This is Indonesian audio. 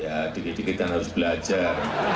ya dikit dikit yang harus belajar